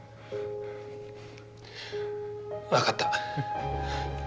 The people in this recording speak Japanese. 分かった。